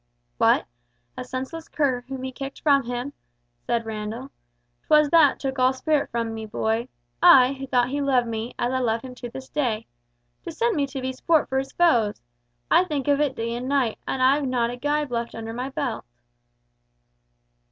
"What? A senseless cur whom he kicked from him," said Randall. "'Twas that took all spirit from me, boy. I, who thought he loved me, as I love him to this day. To send me to be sport for his foes! I think of it day and night, and I've not a gibe left under my belt!"